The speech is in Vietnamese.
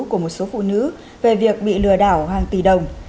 của một số phụ nữ về việc bị lừa đảo hàng tỷ đồng